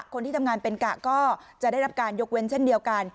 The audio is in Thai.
คนที่ทำงานเป็นกะก็จะได้รับการยกเว้นเช่นเดียวกัน